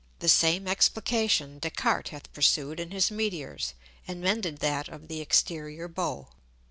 The same Explication Des Cartes hath pursued in his Meteors, and mended that of the exterior Bow.